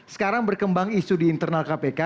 sekarang berkembang isu di internal kpk